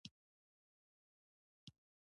قانون شرکت ته شخصیت ورکوي.